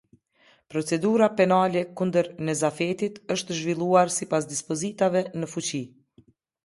Procedura penale kundër Nezafetit është zhvilluar sipas dispozitave në fuqi.